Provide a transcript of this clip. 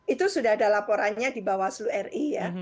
itu sudah ada laporannya di bawah slu ri ya